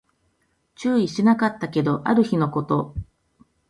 注意しなかったけど、ある日のこと